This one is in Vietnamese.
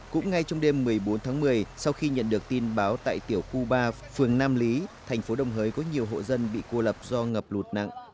cũng ngay trong đêm một mươi bốn tháng một mươi sau khi nhận được tin báo tại tiểu khu ba phường nam lý thành phố đồng hới có nhiều hộ dân bị cô lập do ngập lụt nặng